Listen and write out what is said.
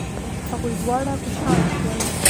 هغوی دواړه خوشحاله شول.